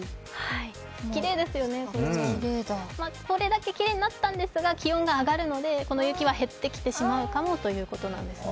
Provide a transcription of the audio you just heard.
きれいですよね、これだけきれいになったんですが気温が上がるのでこの雪は減ってきてしまうかもということですね。